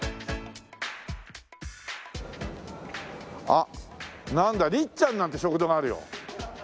あっなんだ「りっちゃん」なんて食堂があるよ。